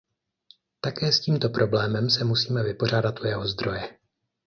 Také s tímto problémem se musíme vypořádat u jeho zdroje.